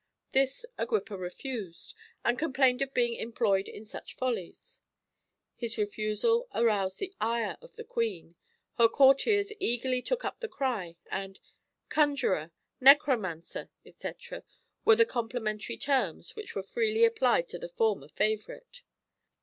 This Agrippa refused, and complained of being employed in such follies. His refusal aroused the ire of the Queen; her courtiers eagerly took up the cry, and "conjurer," "necromancer," etc., were the complimentary terms which were freely applied to the former favourite.